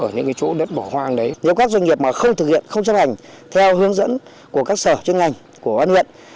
nếu các doanh nghiệp mà không thực hiện không chấp hành theo hướng dẫn của các sở chức ngành của huyện